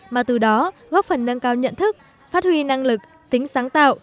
mà từ đó góp phần nâng cao nhận thức phát huy năng lực tính sáng tạo